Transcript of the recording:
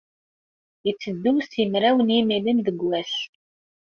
Yetteddu simraw n yimilen deg wass.